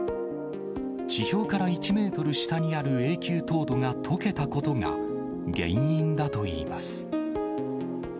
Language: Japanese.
地表から１メートル下にある永久凍土がとけたことが、原因だといいます。